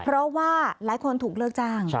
เพราะว่าหลายคนถูกเลิกจ้าง